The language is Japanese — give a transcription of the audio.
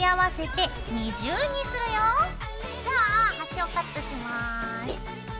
じゃあ端をカットします。